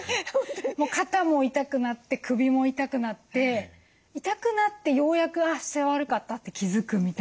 肩も痛くなって首も痛くなって痛くなってようやく「あ姿勢悪かった」って気付くみたいな感じです。